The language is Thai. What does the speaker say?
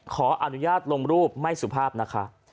ขออนุญาตลงรูปไม่สุภาพนะคะ